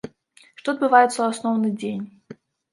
Што адбываецца ў асноўны дзень?